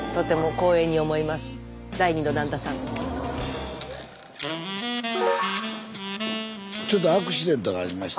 スタジオちょっとアクシデントがありまして。